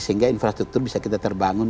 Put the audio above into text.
sehingga infrastruktur bisa kita terbangun